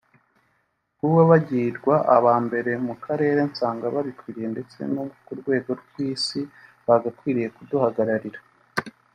Kuba bagirwa aba mbere mu Karere nsanga babikwiriye ndetse no ku rwego rw’isi bagakwiriye kuduhagararira”